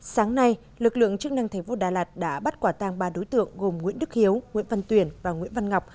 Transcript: sáng nay lực lượng chức năng tp đà lạt đã bắt quả tang ba đối tượng gồm nguyễn đức hiếu nguyễn văn tuyển và nguyễn văn ngọc